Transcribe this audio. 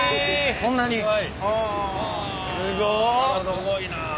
すごいな！